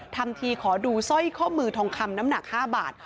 ทำทีขอดูสร้อยข้อมือทองคำน้ำหนัก๕บาท